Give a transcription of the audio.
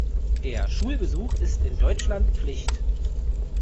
Der Schulbesuch ist in Deutschland Pflicht.